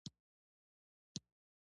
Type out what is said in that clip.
هڅه وکړئ د هر شي په اړه یو څه زده کړئ.